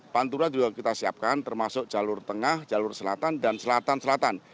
pantura juga kita siapkan termasuk jalur tengah jalur selatan dan selatan selatan